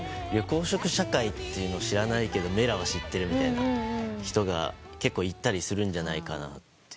緑黄色社会っていうのを知らないけど『Ｍｅｌａ！』は知ってるみたいな人が結構いたりするんじゃないかと。